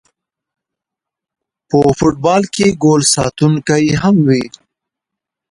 په فوټبال کې ګول ساتونکی هم وي